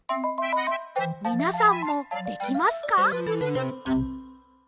みなさんもできますか？